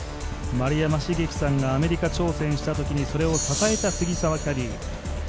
丸山茂樹さんがアメリカ挑戦したときにそれをたたえた杉澤キャディー。